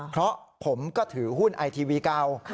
เพราะผมก็ถือหุ้นไอทีวีเก่า